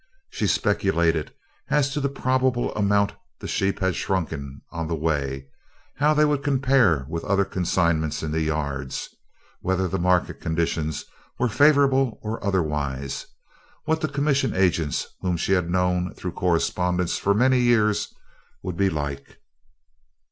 She speculated as to the probable amount the sheep had shrunken on the way, how they would compare with other consignments in the yards, whether the market conditions were favorable or otherwise, what the commission agents whom she had known through correspondence for many years would be like.